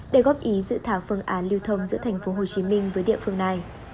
để góp ý dự thảo phương án lưu thông giữa tp hcm với địa phương này